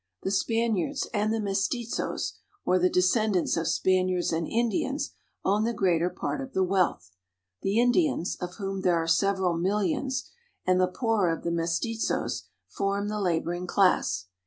The Spaniards and the mestizos, or the descendants of Spaniards and Indians, own the greater part of the wealth. The Indians, of whom there are several millions, and the poorer of the mestizos, form the laboring class.